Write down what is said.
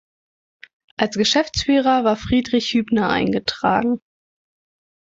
Als Geschäftsführer war Friedrich Hübner eingetragen.